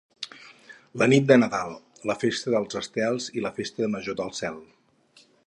La nit de Nadal, la festa dels estels i la festa major del cel.